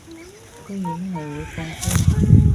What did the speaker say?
居然係會放寬